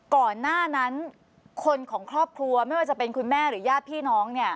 ก่อนหน้านั้นคนของครอบครัวไม่ว่าจะเป็นคุณแม่หรือญาติพี่น้องเนี่ย